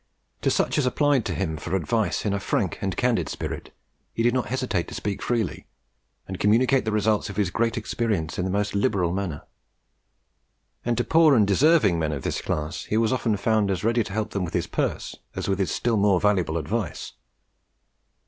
To such as applied to him for advice in a frank and candid spirit, he did not hesitate to speak freely, and communicate the results of his great experience in the most liberal manner; and to poor and deserving men of this class he was often found as ready to help them with his purse as with his still more valuable advice.